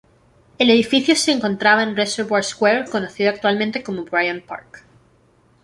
El edificio se encontraba en Reservoir Square, conocida actualmente como Bryant Park.